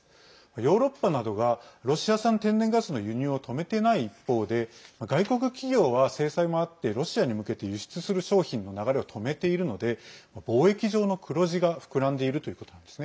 ヨーロッパなどがロシア産天然ガスの輸入を止めていない一方で外国企業は制裁もあってロシアに向けて輸出する商品の流れを止めているので貿易上の黒字が膨らんでいるということなんです。